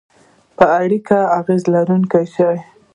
پر اړیکو اغیز لرونکي شیان